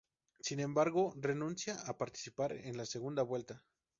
Sin embargo, renuncia a participar en la segunda vuelta.